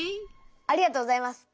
ありがとうございます。